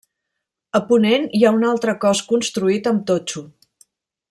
A ponent hi ha un altre cos construït amb totxo.